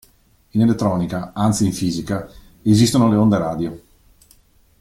In elettronica, anzi in fisica, esistono le onde radio.